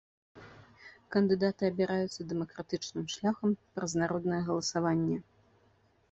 Кандыдаты абіраюцца дэмакратычным шляхам праз народнае галасаванне.